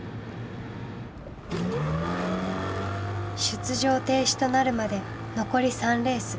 出場停止となるまで残り３レース。